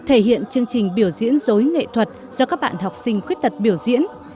thể hiện chương trình biểu diễn dối nghệ thuật do các bạn học sinh khuyết tật biểu diễn